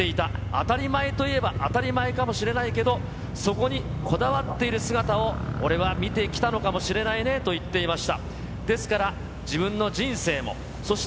当たり前といえば当たり前かもしれないけど、そこにこだわっている姿を俺は見てきたのかもしれないねと言っておはよう。